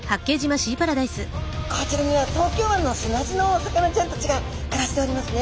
こちらには東京湾の砂地のお魚ちゃんたちが暮らしておりますね。